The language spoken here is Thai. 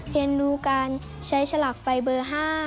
เรียนรู้การใช้ฉลากไฟเบอร์๕